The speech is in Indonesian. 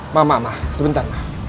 ma ma ma sebentar ma